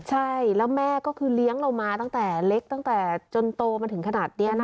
ใช่แล้วแม่ก็คือเลี้ยงเรามาตั้งแต่เล็กตั้งแต่จนโตมาถึงขนาดนี้